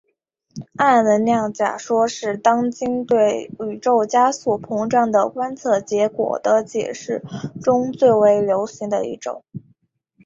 暗能量假说是当今对宇宙加速膨胀的观测结果的解释中最为流行的一种。